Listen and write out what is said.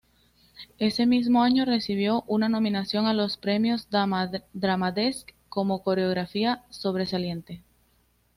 Ese mismo año recibió una nominación a los premios Drama Desk como coreografía sobresaliente.